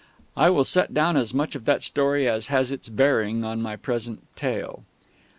I will set down as much of that story as has its bearing on my present tale.